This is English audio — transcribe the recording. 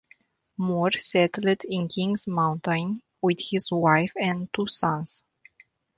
Moore settled in Kings Mountain with his wife and two sons.